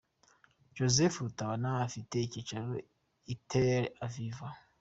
Joseph Rutabana ufite icyicaro i Tel Aviv.